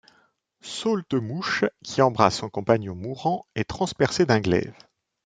Saultemouche qui embrasse son compagnon mourant est transpercé d’un glaive.